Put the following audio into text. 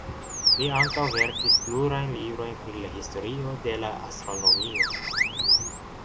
Li ankaŭ verkis plurajn librojn pri la historio de la astronomio.